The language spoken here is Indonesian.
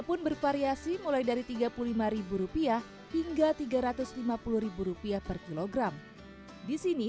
pun bervariasi mulai dari tiga puluh lima rupiah hingga tiga ratus lima puluh rupiah per kilogram disini